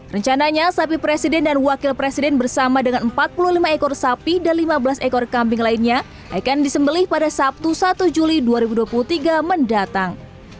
rencananya sapi presiden dan wakil presiden bersama dengan empat puluh lima ekor sapi dan lima belas ekor kambing lainnya akan disembelih pada sabtu satu juli dua ribu dua puluh tiga mendatang